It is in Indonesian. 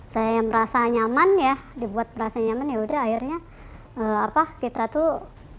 saya merasa nyaman ya dibuat merasa nyaman yaudah akhirnya kita tuh